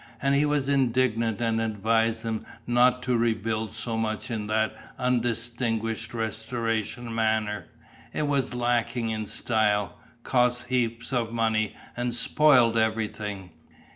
And he was indignant and advised them not to rebuild so much in that undistinguished restoration manner: it was lacking in style, cost heaps of money and spoilt everything.